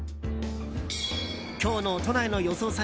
今日の都内の予想